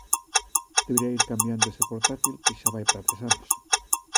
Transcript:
"Debería ir cambiando ese portátil, que xa vai para tres anos".